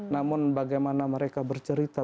namun bagaimana mereka bercerita